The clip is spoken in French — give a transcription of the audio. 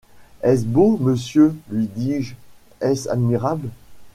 Est-ce beau ! monsieur, lui dis-je, est-ce admirable !